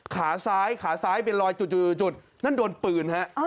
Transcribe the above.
ขาซ้ายขาซ้ายเป็นรอยจุดนั่นโดนปืนฮะ